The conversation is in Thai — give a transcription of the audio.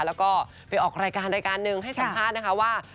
แล้วก็ไปออกรายการรายการหนึ่งให้สัมภาษณ์นะคะว่า